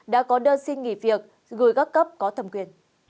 đã có đơn xin nghỉ việc gửi các cấp có thẩm quyền